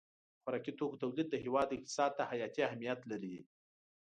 د خوراکي توکو تولید د هېواد اقتصاد ته حیاتي اهمیت لري.